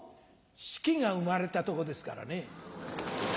シキが生まれたとこですからね。